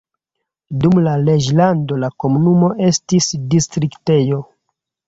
Dum la reĝlando la komunumo estis distriktejo.